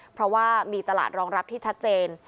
เพราะว่ามีตลาดรองรับที่ชัดเจน